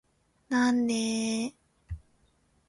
なんでーーー